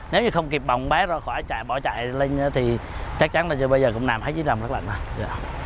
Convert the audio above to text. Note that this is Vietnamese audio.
nếu như không kịp bỏ chạy lên thì chắc chắn là bây giờ cũng nằm hết dưới đầm rất là lạnh